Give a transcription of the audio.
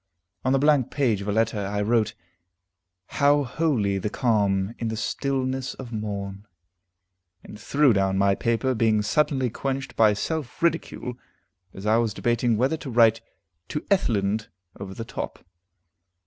On the blank page of a letter, I wrote: "How holy the calm, in the stillness of morn," and threw down my paper, being suddenly quenched by self ridicule, as I was debating whether to write "To Ethelind" over the top.